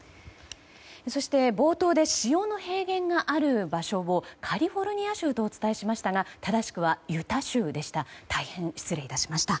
冒頭で塩の平原がある場所をカリフォルニア州とお伝えしましたが正しくはユタ州でした。